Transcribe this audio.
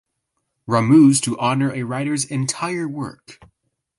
Ramuz to honour a writer's entire work.